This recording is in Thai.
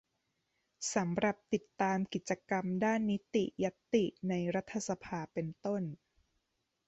สำหรับติดตามกิจกรรมด้านนิติญัตติในรัฐสภา เป็นต้น